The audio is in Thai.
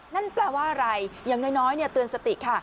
นั่นแปลว่าอะไรอย่างน้อยเตือนสติค่ะ